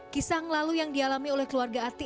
kisah yang lalu yang dialami oleh keluarga ati